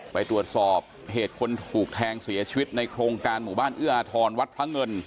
ไปตรวจสอบเหตุคนถูกแทงเสียชีวิตในโครงการหมู่บ้านเอื้ออาทรวัดพระเงิน